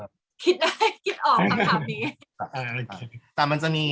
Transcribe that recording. คิดออกคำถามนี้